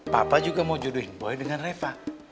papa juga mau juduin boy dengan reva